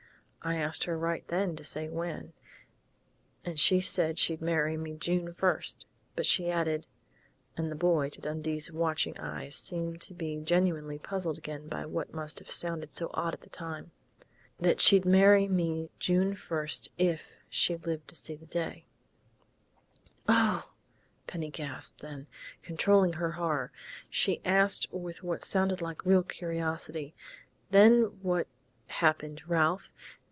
I asked her right then to say when, and she said she'd marry me June first, but she added " and the boy, to Dundee's watching eyes, seemed to be genuinely puzzled again by what must have sounded so odd at the time "that she'd marry me June first if she lived to see the day." "Oh!" Penny gasped, then, controlling her horror, she asked with what sounded like real curiosity, "Then what happened, Ralph?